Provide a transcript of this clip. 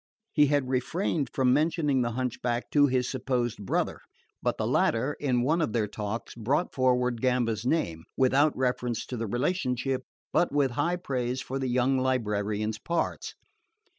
He had refrained from mentioning the hunchback to his supposed brother; but the latter, in one of their talks, brought forward Gamba's name, without reference to the relationship, but with high praise for the young librarian's parts.